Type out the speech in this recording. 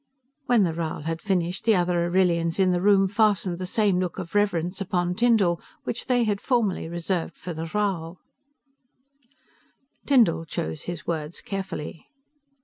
When the Rhal had finished, the other Arrillians in the room fastened the same look of reverence upon Tyndall which they had formerly reserved for the Rhal. Tyndall chose his words carefully.